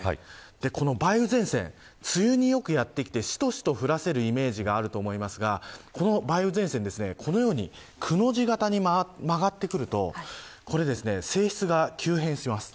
梅雨前線、梅雨によくやってきてしとしと降らせるイメージがあると思いますがこの梅雨前線、このようにくの字型に曲がってくると性質が急変します。